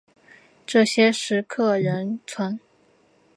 这些石刻仍存。